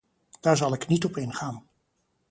Daar zal ik niet op ingaan.